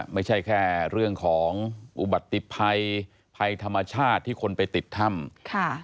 ไม่ใช่แค่เรื่องของอุบัติภัยภัยธรรมชาติที่คนไปติดถ้ำค่ะ